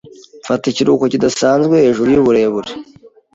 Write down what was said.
Mfata ikiruhuko kidasanzwe hejuru yuburebure